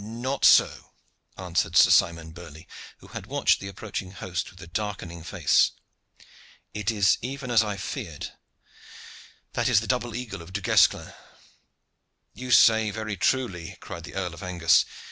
"Not so," answered Sir Simon Burley, who had watched the approaching host with a darkening face. "It is even as I feared. That is the double eagle of Du Guesclin." "You say very truly," cried the Earl of Angus.